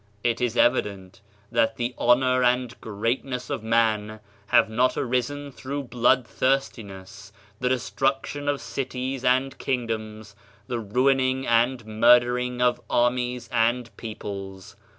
It is evident that the honor and greatness of man have not arisen through blood thirstiness, the destruction of cities and kingdoms, the ruining and murdering of armies and peoples.